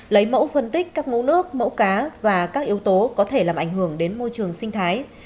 lấy mẫu phân tích các mẫu nước mẫu cá và các yếu tố có thể làm ảnh hưởng đến môi trường sinh thái